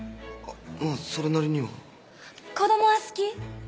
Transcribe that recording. まぁそれなりには子供は好き？